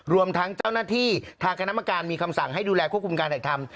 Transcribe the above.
รวมทั้งเจ้าหน้าที่ทางคณะกรรมการมีคำสั่งให้ดูแลควบคุมการถ่ายทำ